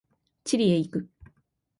チリへ行く。